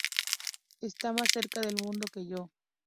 Estás más cerca del mundo que yo.